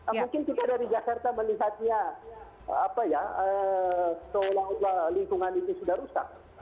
mungkin kita dari jakarta melihatnya apa ya seolah olah lingkungan ini sudah rusak